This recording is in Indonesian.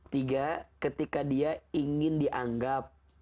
tiga ketika dia ingin dianggap